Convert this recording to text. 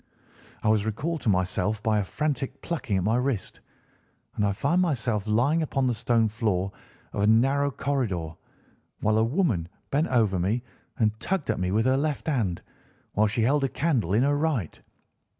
"I was recalled to myself by a frantic plucking at my wrist, and I found myself lying upon the stone floor of a narrow corridor, while a woman bent over me and tugged at me with her left hand, while she held a candle in her right.